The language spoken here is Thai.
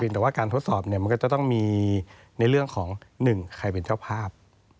แต่ว่าการทดสอบเนี่ยมันก็จะต้องมีในเรื่องของ๑ใครเป็นเจ้าภาพ